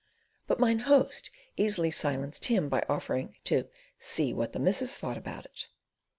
But Mine Host easily silenced him by offering to "see what the missus thought about it."